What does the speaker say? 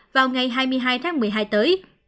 vào ngày hai mươi hai tháng một mươi hai tới